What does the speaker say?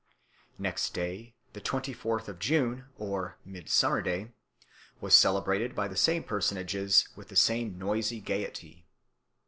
Next day, the twenty fourth of June or Midsummer Day, was celebrated by the same personages with the same noisy gaiety.